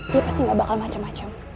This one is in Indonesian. dia pasti gak bakal macem macem